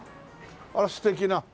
あら素敵な。